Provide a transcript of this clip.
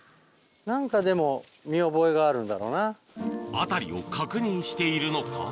辺りを確認しているのか？